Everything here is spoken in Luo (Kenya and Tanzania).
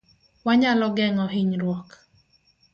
Wanyalo geng'o hinyruok